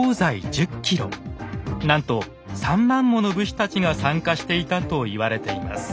なんと３万もの武士たちが参加していたと言われています。